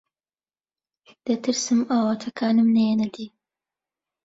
دەترسم ئاواتەکانم نەیەنە دی.